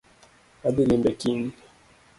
Adhii limbe kiny